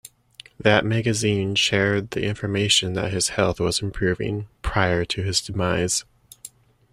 That magazine shared the information that his health was improving prior to his demise.